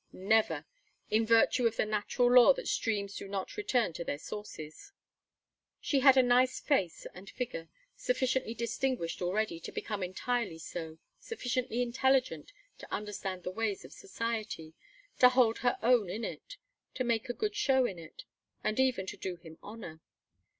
never! in virtue of the natural law that streams do not return to their sources. She had a nice face and figure, sufficiently distinguished already to become entirely so, sufficiently intelligent to understand the ways of society, to hold her own in it, to make a good show in it, and even to do him honor.